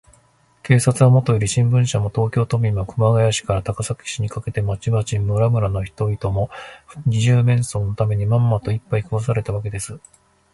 警察はもとより、新聞社も、東京都民も、熊谷市から高崎市にかけての町々村々の人々も、二十面相のために、まんまと、いっぱい食わされたわけです。